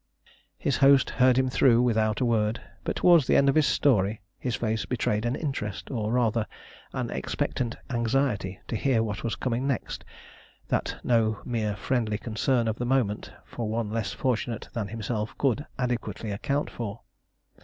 His host heard him through without a word, but towards the end of his story his face betrayed an interest, or rather an expectant anxiety, to hear what was coming next that no mere friendly concern of the moment for one less fortunate than himself could adequately account for.